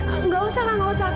eh gak usah kak gak usah